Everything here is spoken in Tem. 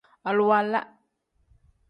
Aluwala.